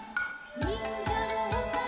「にんじゃのおさんぽ」